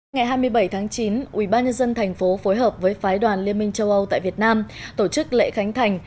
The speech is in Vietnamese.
ngày hai mươi bảy tháng chín ubnd tp phối hợp với phái đoàn liên minh châu âu tại việt nam tổ chức lễ khánh thành